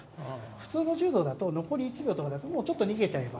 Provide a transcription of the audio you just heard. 普通の柔道だと残り１秒とかだとちょっと逃げちゃえば。